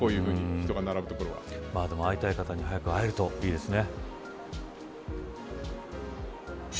こういうふうに会いたい方に早く会えるといいですね。